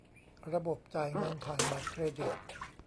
ระบบจ่ายเงินผ่านบัตรเครดิต